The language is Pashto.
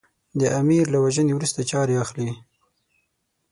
د امیر له وژنې وروسته چارې اخلي.